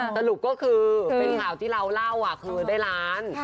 สรุปก็คือเป็นข่าวที่เราเล่าคือได้ล้าน